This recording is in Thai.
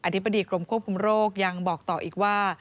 ธิบดีกรมควบคุมโรคยังบอกต่ออีกว่า